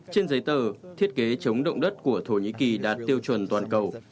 trên giấy tờ thiết kế chống động đất của thổ nhĩ kỳ đạt tiêu chuẩn toàn cầu